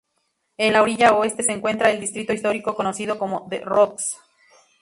En la orilla oeste se encuentra el distrito histórico conocido como The Rocks.